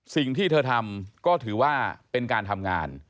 สิ่งที่เธอทำก็ถือว่าเป็นการทำงาน